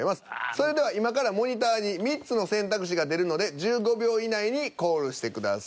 それでは今からモニターに３つの選択肢が出るので１５秒以内にコールしてください。